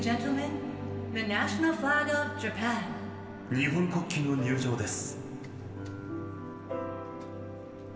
日本国旗の入場です。